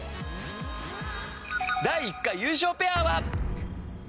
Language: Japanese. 第１回優勝ペアは。